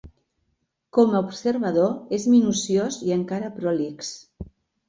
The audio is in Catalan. Com a observador és minuciós i encara prolix.